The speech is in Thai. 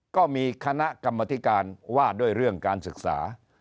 ก็มีคณะกรรมธิการว่าด้วยเรื่องการศึกษา